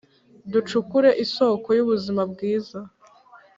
Ducukure isoko y’ubuzima bwiza